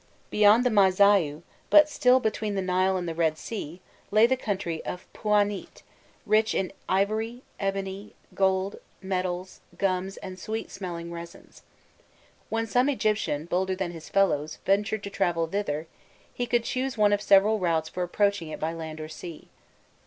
Beyond the Mâzaiû, but still between the Nile and the Red Sea, lay the country of Pûanît, rich in ivory, ebony, gold, metals, gums, and sweet smelling resins. When some Egyptian, bolder than his fellows, ventured to travel thither, he could choose one of several routes for approaching it by land or sea.